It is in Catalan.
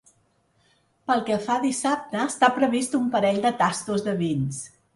Pel que fa a dissabte està previst un parell de tastos de vins.